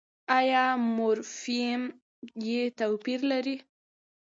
ایا مورفیم يې توپیر لري؟